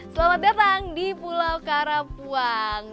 selamat datang di pulau karapuang